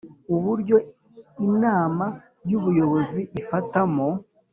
Uburyo Inama y Ubuyobozi ifatamo